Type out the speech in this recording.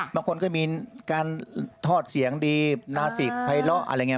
บางคนก็มีการทอดเสียงดีนาสิกภัยเลาะอะไรอย่างนี้